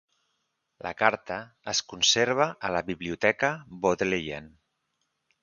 La carta es conserva a la Biblioteca Bodleian.